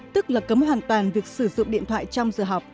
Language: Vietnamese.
tức là cấm hoàn toàn việc sử dụng điện thoại trong giờ học